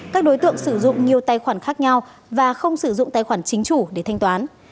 các đối tượng sử dụng nhiều tài khoản khác nhau và không sử dụng tài khoản chính chủ để thanh toán